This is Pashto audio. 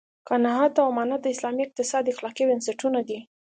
قناعت او امانت د اسلامي اقتصاد اخلاقي بنسټونه دي.